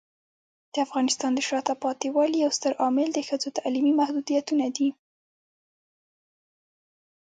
د افغانستان د شاته پاتې والي یو ستر عامل د ښځو تعلیمي محدودیتونه دي.